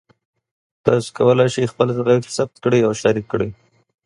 تاسو کولی شئ خپل غږ ثبت کړئ او شریک کړئ.